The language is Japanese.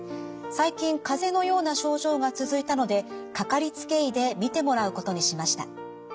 最近かぜのような症状が続いたのでかかりつけ医で診てもらうことにしました。